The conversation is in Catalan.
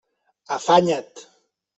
Afanya't!